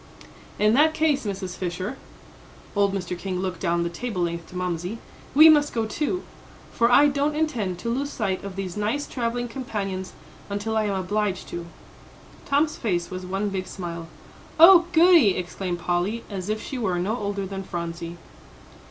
"In that case, Mrs. Fisher," old Mr. King looked down the table length to Mamsie, "we must go too; for I don't intend to lose sight of these nice travelling companions until I am obliged to." Tom's face was one big smile. "Oh, goody!" exclaimed Polly, as if she were no older than Phronsie.